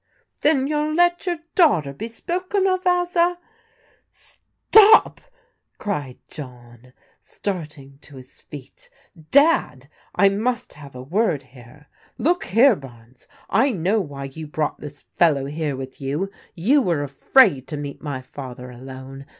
" Then youll let your daughter be spoken of as a " Stop !" cried John, starting to his feet " Dad, I must have a word here. Look here, Barnes, I know why you brought this fellow here with you. You were afraid to meet my father alone.